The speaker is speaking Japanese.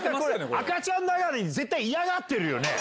赤ちゃんながらに絶対嫌がってるよね！